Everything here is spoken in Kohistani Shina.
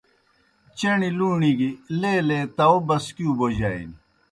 چݨیْ لُوݨیْ گیْ لیلے تاؤ بسکِیؤ بوجانیْ۔